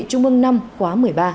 trung ương năm khóa một mươi ba